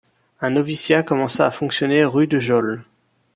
Un noviciat commença à fonctionner rue de Geôle.